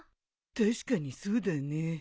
確かにそうだね。